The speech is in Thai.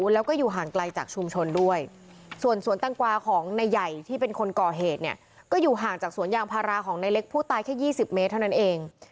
แล้วก็อยู่ห่างไกลจากชุมชนด้วยส่วนสวนแตงกวาของนายใหญ่ที่เป็นคนก่อเหตุเนี่ยก็อยู่ห่างจากสวนยางพาราของในเล็กผู้ตายแค่๒๐เมตรเท่านั้นเอง